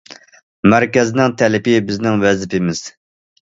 مەركەزنىڭ تەلىپى بىزنىڭ ۋەزىپىمىز.